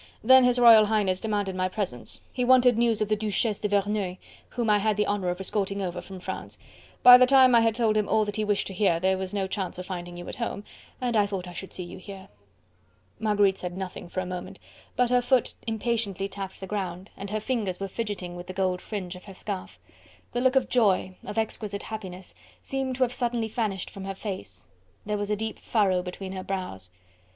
Then His Royal Highness demanded my presence. He wanted news of the Duchesse de Verneuil, whom I had the honour of escorting over from France. By the time I had told him all that he wished to hear, there was no chance of finding you at home, and I thought I should see you here." Marguerite said nothing for a moment, but her foot impatiently tapped the ground, and her fingers were fidgeting with the gold fringe of her scarf. The look of joy, of exquisite happiness, seemed to have suddenly vanished from her face; there was a deep furrow between her brows.